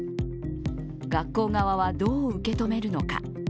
学校側はどう受け止めるのか。